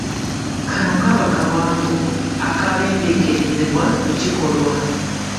Kano kaba kawango, akabembeekerezebwa ku kikolwa.